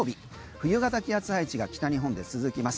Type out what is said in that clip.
冬型気圧配置が北日本で続きます。